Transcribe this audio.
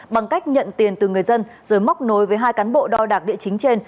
bằng cách nhận tiền từ người dân rồi móc nối với hai cán bộ đo đạc địa chính trên